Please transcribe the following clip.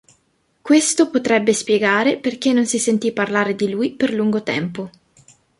Questo potrebbe spiegare perché non si sentì parlare di lui per lungo tempo.